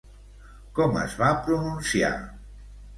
Com es va pronunciar?